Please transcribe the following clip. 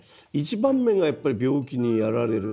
１番目がやっぱり病気にやられる。